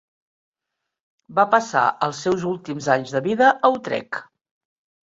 Va passar els seus últims anys de vida a Utrecht.